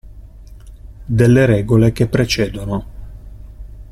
Delle regole che precedono.